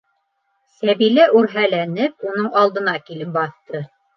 - Сәбилә үрһәләнеп уның алдына килеп баҫты.